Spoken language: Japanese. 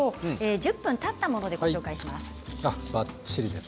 １０分たったものでご紹介します。